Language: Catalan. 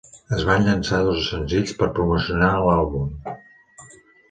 Es van llançar dos senzills per promocionar l'àlbum.